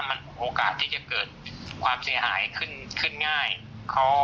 มันโอกาสที่จะเกิดความเสียหายขึ้นขึ้นง่าย